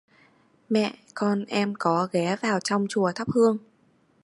Mẹ con em có ghé vào trong chùa thắp hương